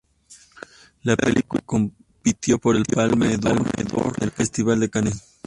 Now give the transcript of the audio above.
La película compitió por el Palme d'Or en el Festival de Cannes.